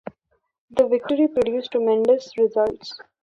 The victory produced tremendous results.